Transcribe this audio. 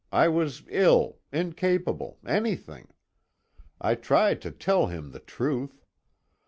I was ill, incapable, anything. I tried to tell him the truth.